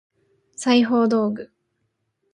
裁縫道具